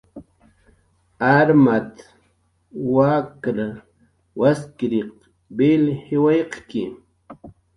Armat wakr waskiriq vil jiwaqki